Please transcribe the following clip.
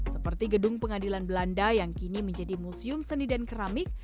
seperti gedung pengadilan belanda yang kini menjadi museum seni dan keramik